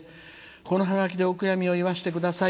このハガキでお悔やみを言わせてください」。